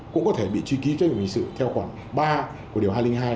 cũng có thể bị truy cứu trí nghiệm hình sự theo khoảng ba của điều hai trăm linh hai